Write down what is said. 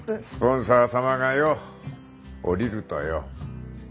スポンサー様がよ降りるとよ。